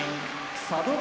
佐渡ヶ